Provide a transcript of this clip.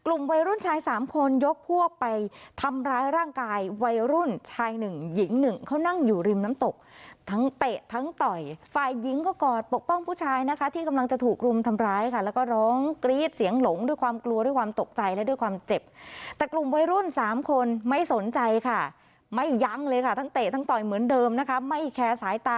วัยรุ่นชายสามคนยกพวกไปทำร้ายร่างกายวัยรุ่นชายหนึ่งหญิงหนึ่งเขานั่งอยู่ริมน้ำตกทั้งเตะทั้งต่อยฝ่ายหญิงก็กอดปกป้องผู้ชายนะคะที่กำลังจะถูกรุมทำร้ายค่ะแล้วก็ร้องกรี๊ดเสียงหลงด้วยความกลัวด้วยความตกใจและด้วยความเจ็บแต่กลุ่มวัยรุ่นสามคนไม่สนใจค่ะไม่ยั้งเลยค่ะทั้งเตะทั้งต่อยเหมือนเดิมนะคะไม่แคร์สายตา